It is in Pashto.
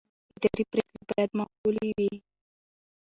اداري پرېکړې باید معقولې وي.